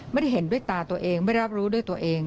ไม่ได้เห็นด้วยตาตัวเองไม่รับรู้ด้วยตัวเอง